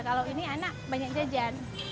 kalau ini anak banyak jajan